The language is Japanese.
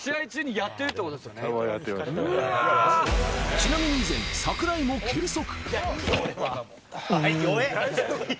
ちなみに以前、櫻井も計測。